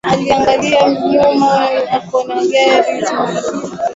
Aliangalia nyuma akaona gari zilikuwa zikimfuata kwa kasi alijitahidi kukanyaga Mafuta